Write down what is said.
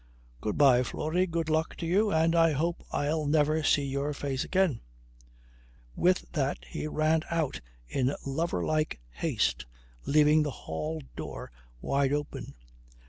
"Good bye, Florrie. Good luck to you and I hope I'll never see your face again." With that he ran out in lover like haste leaving the hall door wide open.